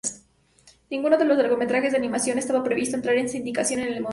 Ninguno de sus largometrajes de animación estaba previsto entrar en sindicación en ese momento.